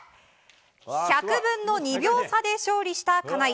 １００分の２秒差で勝利した金井。